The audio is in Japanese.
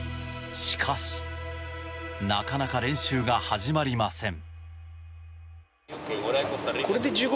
しかし、なかなか練習が始まりません。